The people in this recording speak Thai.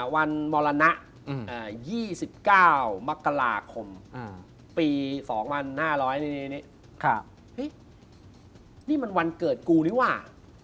วันมรณะ๒๙มกราคมปี๒๕๐๐นี่มันวันเกิดกูนี่ว่า